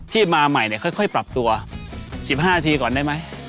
ที่มาใหม่เนี้ยค่อยค่อยปรับตัวสิบห้านาทีก่อนได้ไหม